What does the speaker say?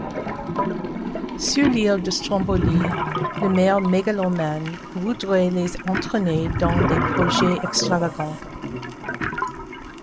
Sur l'île de Stromboli, le maire mégalomane voudrait les entraîner dans des projets extravagants.